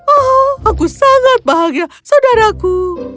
oh aku sangat bahagia saudaraku